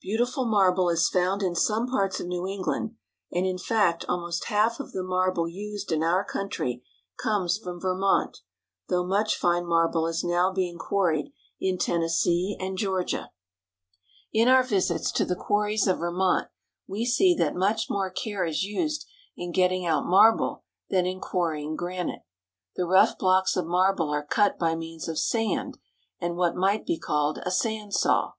Beautiful marble is found in some parts of New England, and in fact almost half of the marble used in our country comes from Vermont, though much fine marble is now being quarried in Tennessee and Georgia. A Granite Quarry. THE QUARRIES. 89 In our visits to the quarries of Vermont we see that much more care is used in getting out marble than in quarrying granite. The rough blocks of marble are cut by means of sand and what might be called a sand saw.